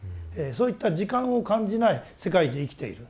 そういった時間を感じない世界で生きている。